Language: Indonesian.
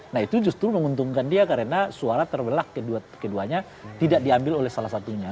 nah itu justru menguntungkan dia karena suara terbelak keduanya tidak diambil oleh salah satunya